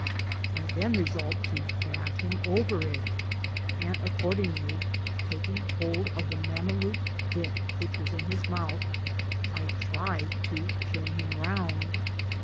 I then resolved to back him over it, and accord ingly taking hold of the Mameluke bit which was in his mouth, I tried to turn him round.